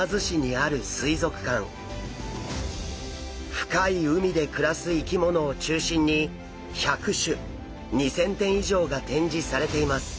深い海で暮らす生き物を中心に１００種２，０００点以上が展示されています。